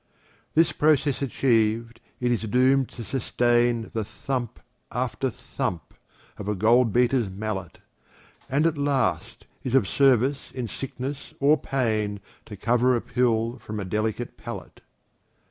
This process achiev'd, it is doom'd to sustain The thump after thump of a gold beater's mallet, And at last is of service in sickness or pain To cover a pill from a delicate palate.